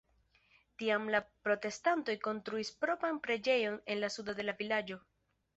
Tiam la protestantoj konstruis propran preĝejon en la sudo de la vilaĝo.